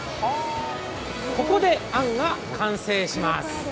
ここで、あんが完成します。